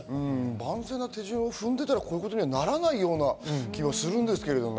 安全な手順を踏んでたら、こういうことにはならない気がするんですけどね。